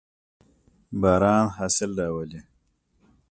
باران حاصل راولي.